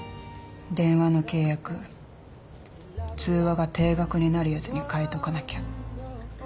電話の契約通話が定額になるやつに変えとかなきゃ。